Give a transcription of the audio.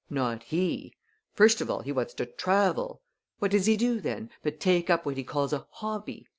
Not he! First of all he wants to travel. "What does he do, then, but take up what he calls a hobby!